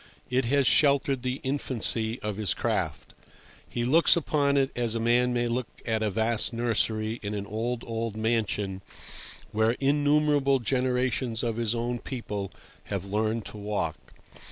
It has sheltered the infancy of his craft. He looks upon it as a man may look at a vast nursery in an old, old mansion where innumerable generations of his own people have learned to walk.